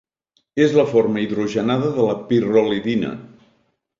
És la forma hidrogenada de la pirrolidina.